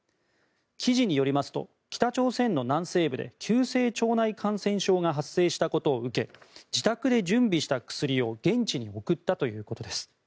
記事によりますと北朝鮮の南西部で急性腸内感染症が発生したことを受け自宅で準備した薬を現地に送ったということです。